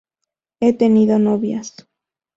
He tenido novias.